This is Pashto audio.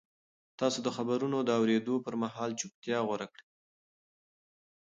تاسو د خبرونو د اورېدو پر مهال چوپتیا غوره کړئ.